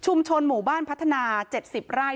ชุมชนแฟลต๓๐๐๐๐คนพบเชื้อ๓๐๐๐๐คนพบเชื้อ๓๐๐๐๐คน